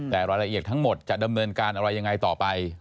แต่รายละเอียดทั้งหมดจะดำเนินการอะไรยังไงต่อไป